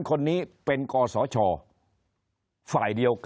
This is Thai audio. คนในวงการสื่อ๓๐องค์กร